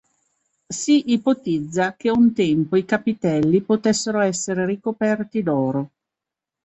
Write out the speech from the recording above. Si ipotizza che un tempo i capitelli potessero essere ricoperti d'oro.